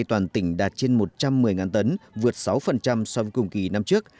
toàn tỉnh đạt trên một trăm một mươi tấn vượt sáu so với cùng kỳ năm trước